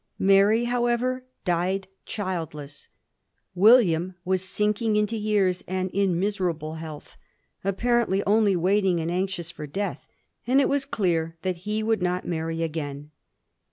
Mary, how ever, died childless ; William was sinking into years and in miserable health, apparently only waiting and anxious for death, and it was clear that he would not marry again.